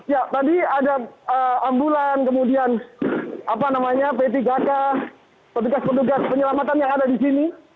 ya tadi ada ambulan kemudian p tiga k petugas petugas penyelamatan yang ada di sini